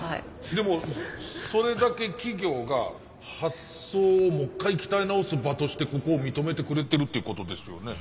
でもそれだけ企業が発想をもっかい鍛え直す場としてここを認めてくれてるってことですよね。